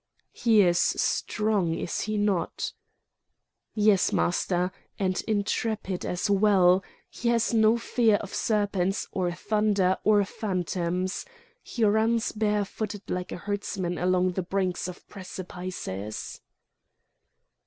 "He is strong, is he not?" "Yes, Master, and intrepid as well! He has no fear of serpents, or thunder, or phantoms. He runs bare footed like a herdsman along the brinks of precipices."